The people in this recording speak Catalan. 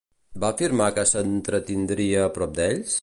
Va afirmar que s'entretindria prop d'ells?